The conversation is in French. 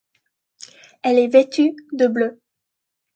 Elle est vêtue de bleu.